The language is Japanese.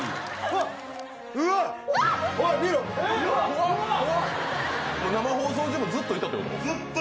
怖っ生放送中もずっといたってこと？